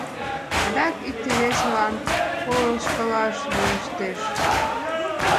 Адак икте-весылан полышкалаш верештеш.